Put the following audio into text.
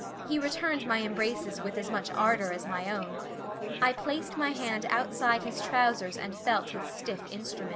He returned my embraces with as much ardor as my own. I placed my hand outside his trousers and felt his stiff instrument.